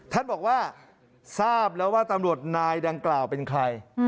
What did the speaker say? ท่านบอกว่าทราบแล้วว่าตำรวจนายดังกล่าวเป็นใคร